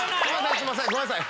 すいませんごめんなさい。